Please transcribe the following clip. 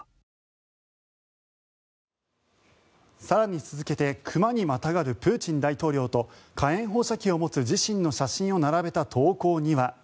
更に続けて熊にまたがるプーチン大統領と火炎放射器を持つ自身の写真を並べた投稿には。